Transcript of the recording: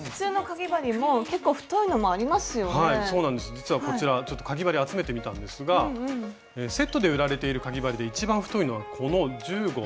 実はこちらちょっとかぎ針集めてみたんですがセットで売られているかぎ針で一番太いのはこの１０／０号。